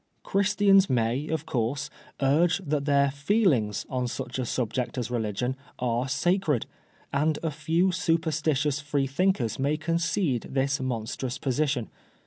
" Christians may, of course, urge that their feelings on such a subject as religion are sacred^ and a few superstitious Free thinkers may concede this monstrous position.